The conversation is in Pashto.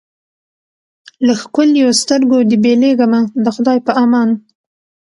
له ښکلیو سترګو دي بېلېږمه د خدای په امان